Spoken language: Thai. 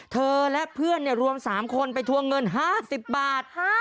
เธอและเพื่อนรวม๓คนไปทวงเงิน๕๐บาท